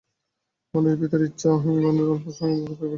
মানুষের ভিতর ইচ্ছা অহংজ্ঞানের অল্পাংশমাত্র ব্যাপিয়া রহিয়াছে।